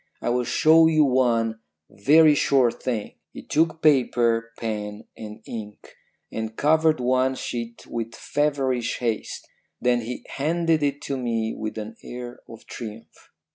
I will show you one very short thing.' "He took paper, pen and ink, and covered one sheet with feverish haste. Then he handed it to me with an air of triumph.